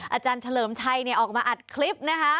อาจารย์เฉลิมใช่นี่ออกมาอัดคลิปนะครับ